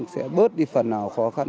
sẽ bớt đi phần nào khó khăn